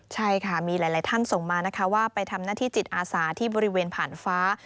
ใช่ค่ะมีหลายท่านส่งมานะคะว่าไปทำหน้าที่จิตอาสาที่บริเวณผ่านฟ้า